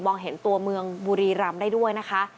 เห็นตัวเมืองบุรีรำได้ด้วยนะคะ